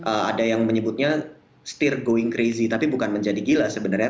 ada yang menyebutnya setir going crazy tapi bukan menjadi gila sebenarnya